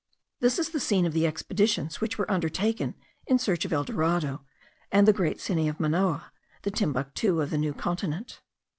This is the scene of the expeditions which were undertaken in search of El Dorado, and the great city of Manoa, the Timbuctoo of the New Continent.